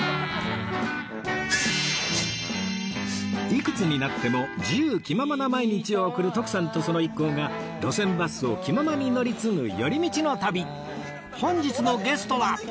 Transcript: いくつになっても自由気ままな毎日を送る徳さんとその一行が路線バスを気ままに乗り継ぐ寄り道の旅本日のゲストは